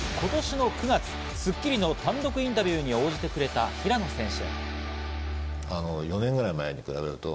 今年の９月『スッキリ』の単独インタビューに応じてくれた平野選手。